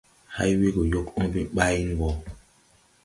Hay we gɔ yɔg õõbe ɓayn wɔ!